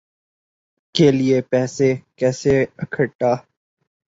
کے لیے پیسہ کیسے اکھٹا